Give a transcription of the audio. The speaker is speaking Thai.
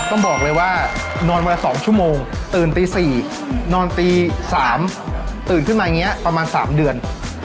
ต้องบอกเลยว่านอนวันละ๒ชั่วโมงตื่นตี๔นอนตี๓ตื่นขึ้นมาอย่างนี้ประมาณ๓เดือน